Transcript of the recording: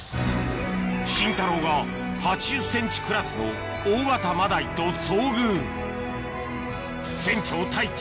シンタローが８０ｃｍクラスの大型マダイと遭遇船長太一